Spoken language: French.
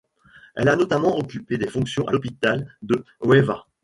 Elle a notamment occupé des fonctions à l'hôpital de Huelva.